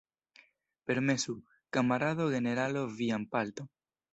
Permesu, kamarado generalo, vian palton.